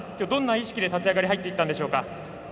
どんな意識で立ち上がり入っていったんでしょうか？